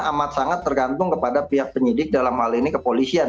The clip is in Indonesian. amat sangat tergantung kepada pihak penyidik dalam hal ini kepolisian